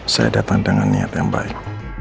saya datang dengan niat yang baik